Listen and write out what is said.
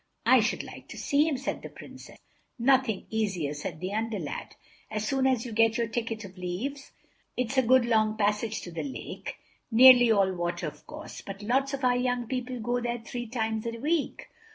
"I should like to see him," said the Princess. "Nothing easier," said the Under lad, "as soon as you get your tickets of leaves. It's a good long passage to the lake—nearly all water, of course, but lots of our young people go there three times a week.